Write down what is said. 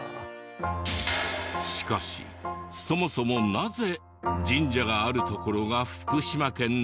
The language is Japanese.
しかしそもそもなぜ神社がある所が福島県なのか？